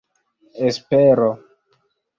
espero